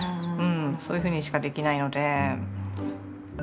うんそういうふうにしかできないので。